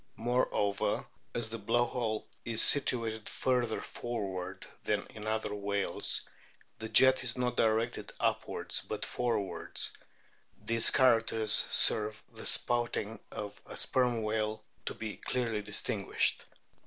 Moreover, as the blow hole is situated further forwards than in other whales the jet is not directed upwards but forwards ; these characters serve the spouting of the Sperm whale to be clearly distinguished.